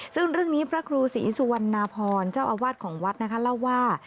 ซึ่งเรื่องนี้พระครูศรีสุวรรณพรเจ้าอาวาสของวัดนะคะเล่าว่า